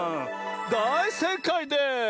だいせいかいです！